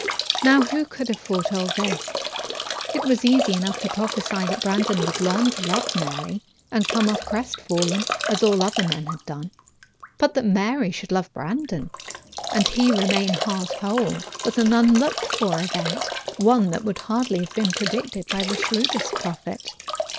Now who could have foretold this? It was easy enough to prophesy that Brandon would learn to love Mary, excite a passing interest, and come off crestfallen, as all other men had done. But that Mary should love Brandon, and he remain heart whole, was an unlooked for event one that would hardly have been predicted by the shrewdest prophet.